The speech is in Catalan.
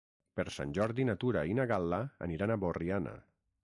Per Sant Jordi na Tura i na Gal·la aniran a Borriana.